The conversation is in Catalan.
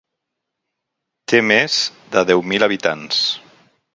Té més de deu mil habitants.